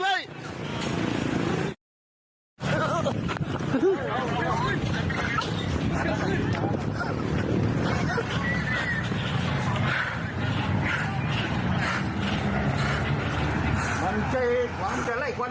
อย่าดูเอาอย่ายิง